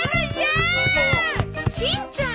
しんちゃん！